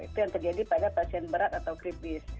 itu yang terjadi pada pasien berat atau kritis